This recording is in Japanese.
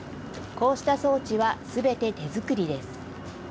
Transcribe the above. こうした装置はすべて手作りです。